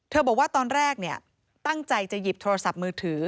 บอกว่าตอนแรกตั้งใจจะหยิบโทรศัพท์มือถือ